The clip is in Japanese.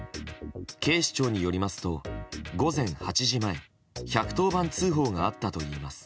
警視庁によりますと午前８時前１１０番通報があったといいます。